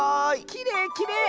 きれいきれい！